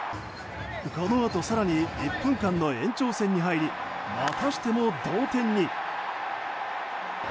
このあと更に１分間の延長戦に入りまたしても同点に。